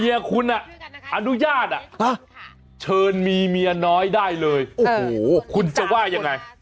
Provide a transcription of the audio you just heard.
เมียคุณอนุญาตเชิญมีเมียน้อยได้เลยโอ้โหคุณจะว่ายังไง